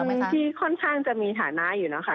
เป็นที่ค่อนข้างจะมีฐานะอยู่นะคะ